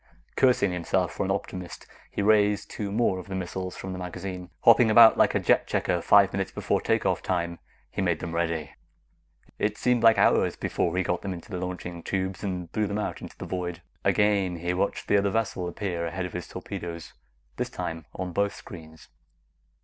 Cursing himself for an optimist, he raised two more of the missiles from the magazine. Hopping about like a jet checker five minutes before take off time, he made them ready. It seemed like hours before he got them into the launching tubes and blew them out into the void. Again, he watched the other vessel appear ahead of his torpedoes, this time on both screens.